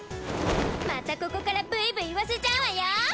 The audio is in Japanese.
またここからブイブイいわせちゃうわよ！